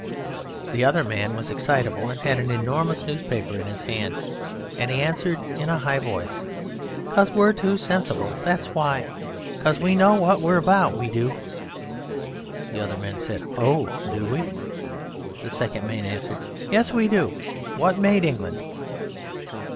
The other man was excitable and had an enormous newspaper in his hand, and he answered in a high voice, "'Cause we're too sensible, that's why! 'Cause we know what we're about, we do." The other man said, "Ho! Do we?" The second man answered, "Yes: we do. What made England?"